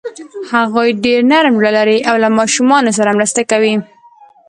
هغوی ډېر نرم زړه لري او له ماشومانو سره مرسته کوي.